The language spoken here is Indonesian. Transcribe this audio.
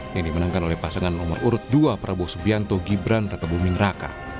yang dimenangkan oleh pasangan nomor urut dua prabowo subianto gibran raka buming raka